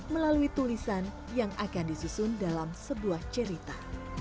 melalui tulisan yang akan disusun dalam sebuah cerita